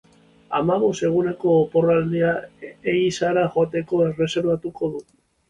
Hamabost eguneko oporraldia ehizara joateko erreserbatuko du.